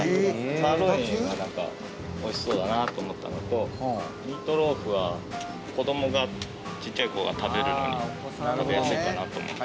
サーロインは、なんかおいしそうだなと思ったのとミートローフは、子どもがちっちゃい子が食べるのに食べやすいかなと思って。